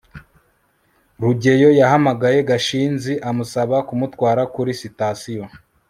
rugeyo yahamagaye gashinzi amusaba kumutwara kuri sitasiyo